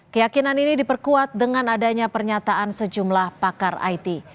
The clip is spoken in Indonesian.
keyakinan ini diperkuat dengan adanya pernyataan sejumlah pakar it